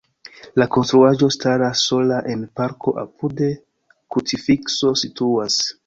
La konstruaĵo staras sola en parko, apude krucifikso situas.